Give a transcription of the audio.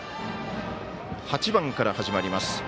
８番から始まります。